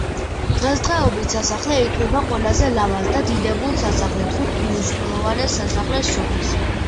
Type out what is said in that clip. დღესდღეობით სასახლე ითვლება ყველაზე ლამაზ და დიდებულ სასახლედ ხუთ უმნიშვნელოვანეს სასახლეს შორის.